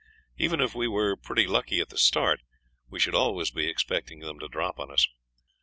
Even if we were pretty lucky at the start we should always be expecting them to drop on us.